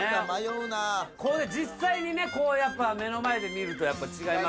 実際にねこうやっぱ目の前で見ると違いますよね。